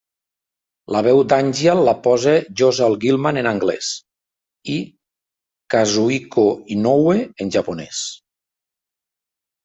La veu d'Angeal la posa Josal Gilman en anglès, i Kazuhiko Inoue en japonès.